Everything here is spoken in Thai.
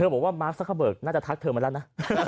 เธอบอกว่าท่าคำว่าหน้าจะทักเธอมาแล้วนะ